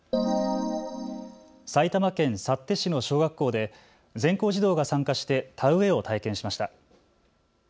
埼玉県幸手市の小学校で全校児童が参加して田植えを体験しました。